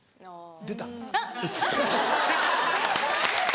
出た。